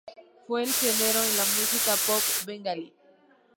Fue el pionero en la música pop Bengalí.